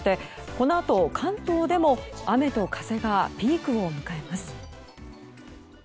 このあと、関東でも雨と風がピークを迎えます。